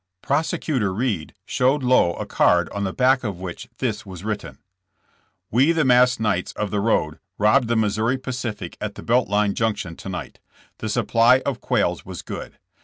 Prosecutor Reed showed Lowe a card on the back of which this was written : *'We the masked knights of the road, robbed the Missouri Pacific at the Belt Line junction to night. The supply of quails was good.